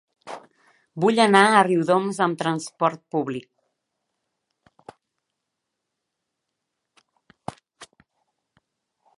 Vull anar a Riudoms amb trasport públic.